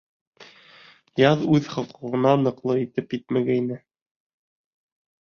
Яҙ үҙ хоҡуғына ныҡлы инеп етмәгәйне.